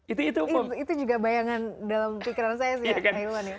itu juga bayangan dalam pikiran saya sih ya iwan ya